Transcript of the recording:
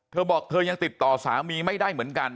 เธอบอกเธอยังติดต่อสามีไม่ได้เหมือนกัน